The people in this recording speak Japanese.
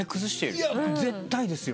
いや絶対ですよ。